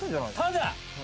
ただ。